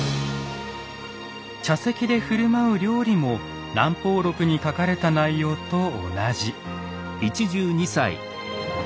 茶席で振る舞う料理も「南方録」に書かれた内容と同じ。